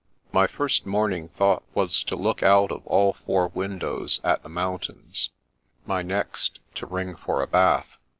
My first morning thought was to look out of all four windows at the mountains; my next, to ring for a bath.